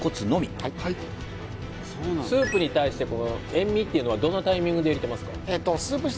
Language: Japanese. スープに対して塩味っていうのはどのタイミングで入れてますか？